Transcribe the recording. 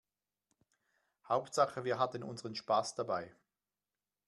Hauptsache wir hatten unseren Spaß dabei.